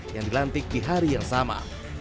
yang dilantik di hari yang sama